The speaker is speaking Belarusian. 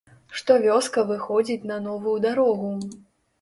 Што вёска выходзіць на новую дарогу.